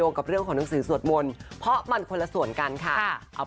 คุณได้อ่านนะครับ